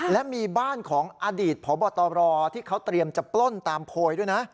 และมีบ้านของอดีตพบตรที่เขาเตรียมจะปล้นตามโพยด้วยนะ